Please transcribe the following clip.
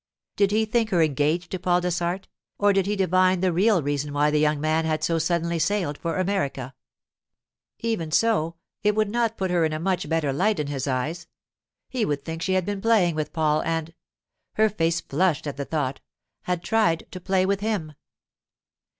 Did he think her engaged to Paul Dessart, or did he divine the real reason why the young man had so suddenly sailed for America? Even so, it would not put her in a much better light in his eyes. He would think she had been playing with Paul and—her face flushed at the thought—had tried to play with him.